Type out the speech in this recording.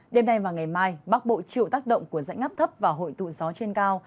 đêm nay và ngày mai bắc bộ chịu tác động của dãnh ngắp thấp và hội tụ gió trên cao